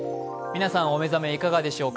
皆さんお目覚めいかがでしょうか。